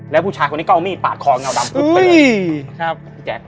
แล้วผู้ชายคนนี้ก็เอามีดปาดคอเงาดำพลึกไปเลย